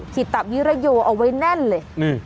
ขิตตับยิระโยเอาไว้แน่นเลยนี่